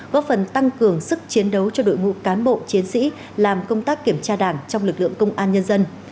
góp phần tăng cường sức chiến đấu cho đội ngũ cán bộ chiến sĩ làm công tác kiểm tra đảng trong lực lượng công an nhân dân